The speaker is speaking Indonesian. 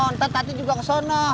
ntar tati juga ke sana